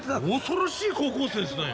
恐ろしい高校生ですね。